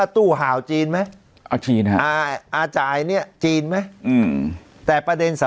ตู้เห่าจีนไหม